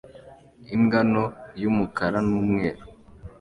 Imbwa nto y'umukara n'umweru